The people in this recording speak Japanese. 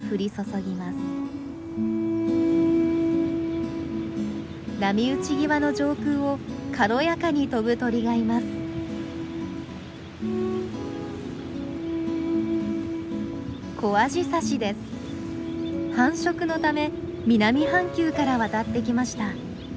繁殖のため南半球から渡ってきました。